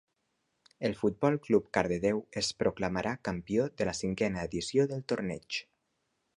El Futbol Club Cardedeu es proclamà campió de la cinquena edició del torneig.